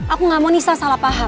aku gak mau nisa salah paham